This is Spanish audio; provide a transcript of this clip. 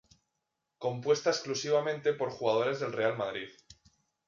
Compuesta exclusivamente por jugadores del Real Madrid.